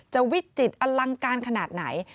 วิจิตรอลังการขนาดไหน